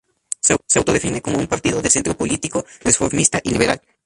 Se autodefine como un partido de centro político, reformista y liberal.